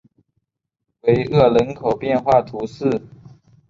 维厄人口变化图示